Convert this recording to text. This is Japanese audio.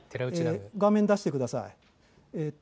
画面出してください。